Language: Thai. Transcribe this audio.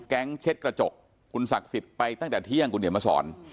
ดูแก๊งเช็ดกระจกคุณศักดิ์สิบไปตั้งแต่เที่ยงคุณเหนียวมาสอน